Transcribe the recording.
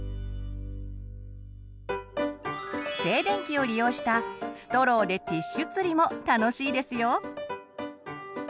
静電気を利用した「ストローでティッシュ釣り」も楽しいですよ。